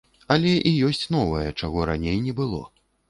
Але і ёсць новае, чаго раней не было.